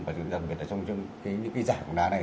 và đặc biệt là trong những cái giải bóng đá này